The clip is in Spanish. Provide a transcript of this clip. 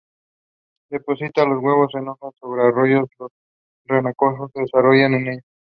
Deposita los huevos en hojas sobre arroyos, los renacuajos se desarrollan en ellos.